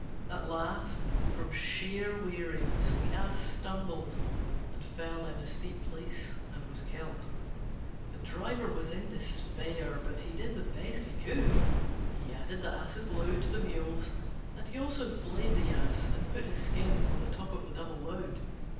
At last, from sheer weariness, the Ass stumbled and fell down a steep place and was killed. The driver was in despair, but he did the best he could: he added the Ass's load to the Mule's, and he also flayed the Ass and put his skin on the top of the double load.